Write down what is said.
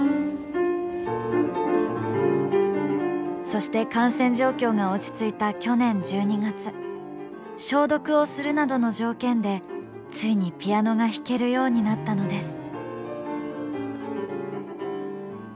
そして感染状況が落ち着いた去年１２月消毒をするなどの条件でついにピアノが弾けるようになったのです。